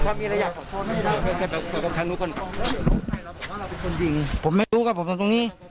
ถ้ามีอะไรอยากขอโทษไม่ได้ผมไม่รู้ครับผมต้องตรงนี้